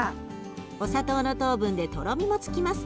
お砂糖の糖分でとろみもつきます。